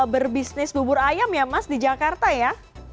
berbisnis bubur ayam ya mas di jakarta ya